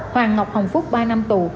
hoàng ngọc hồng phúc ba năm tù